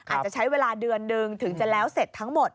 อาจจะใช้เวลาเดือนหนึ่งถึงจะแล้วเสร็จทั้งหมด